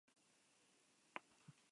La heredó de su tío Sebastián Lecaros.